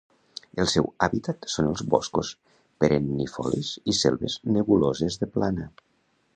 El seu hàbitat són els boscos perennifolis i selves nebuloses de plana.